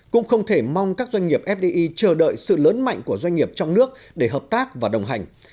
cũng không thể mong các doanh nghiệp fdi chờ đợi sự lớn mạnh của doanh nghiệp trong nước để hợp tác và đồng hành